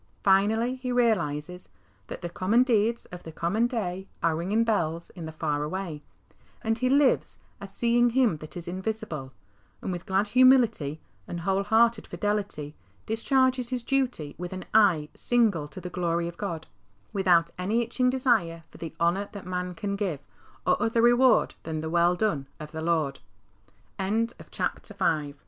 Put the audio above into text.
Finally, he realises " That the common deeds of the common day Are ringing bells in the far away, and he lives " as seeing Him that is invisible," and with glad humility and whole hearted fidelity discharges his duty with an eye single to the glory of God, without any itching desire for the honour that man can give, or other reward than the " well do